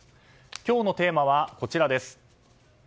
今日のテーマはこちら。